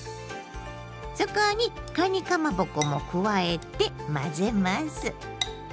そこにかにかまぼこも加えて混ぜます。